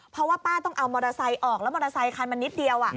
เพราะว่าป้าต้องเอามอเตอร์ไซค์ออกแล้วมอเตอร์ไซคันมันนิดเดียว